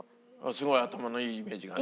すごい頭のいいイメージがね。